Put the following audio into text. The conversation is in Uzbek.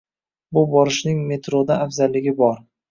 Bu borishning metrodan afzalligi bor.